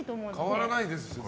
変わらないですしね。